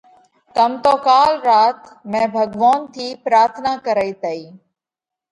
ڪم تو ڪال رات، مئين ڀڳوونَ ٿِي پراٿنا ڪرئي تئي